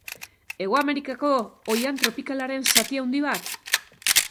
Hego Amerikako oihan tropikalaren zati handi bat?